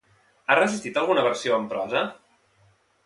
Ha resistit alguna versió en prosa?